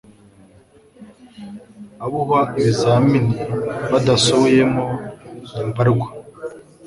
abo uha ibizamini badasubiyemo ni mbarwa